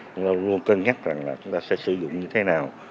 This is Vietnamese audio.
chúng ta luôn cân nhắc rằng là chúng ta sẽ sử dụng như thế nào